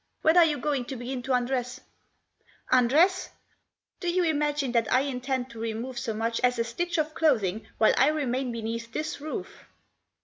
When are you going to begin to undress ?"" Undress ? Do you imagine that I Intend to remove so much as a stitch of clothing while I remain beneath this roof?